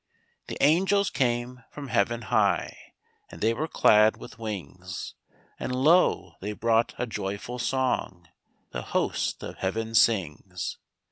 The angels came from heaven high, And they were clad with wings; And lo, they brought a joyful song The host of heaven sings.